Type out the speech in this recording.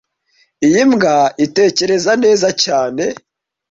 Iyi mbwa itekereza neza cyane